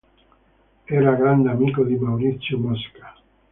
Era grande amico di Maurizio Mosca.